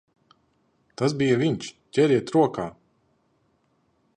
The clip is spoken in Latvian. Tas bija viņš! Ķeriet rokā!